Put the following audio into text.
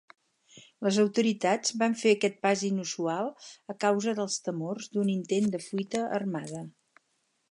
Les autoritats van fer aquest pas inusual a causa dels temors d'un intent de fuita armada.